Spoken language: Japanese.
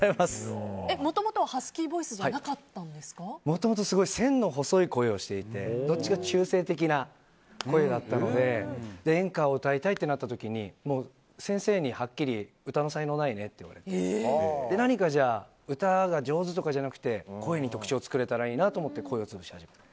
もともとはハスキーボイスじゃもともとすごい線の細い声をしていてどっちかというと中性的な声だったので演歌を歌いたいとなった時に先生にはっきり歌の才能ないねって言われて何か歌が上手とかじゃなくて声に特徴を作れたらいいなと思って声を潰しました。